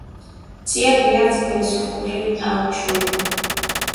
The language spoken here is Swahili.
tia viazi kwenye sufuri au chungu